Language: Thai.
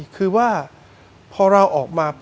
คือว่าพอเราออกมา